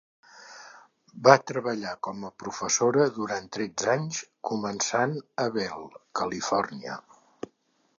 Va treballar com a professora durant tretze anys, començant a Bell, Califòrnia.